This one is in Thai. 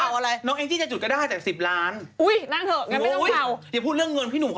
สวัสดีค่ะร้ายล้านอะไรอย่างนี้ได้หมด